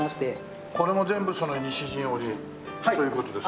これも全部その西陣織という事ですよね？